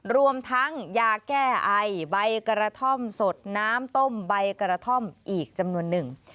รวมทั้งยาแก้ไอใบกระท่อมสดน้ำต้มใบกระท่อมอีกจำนวนหนึ่ง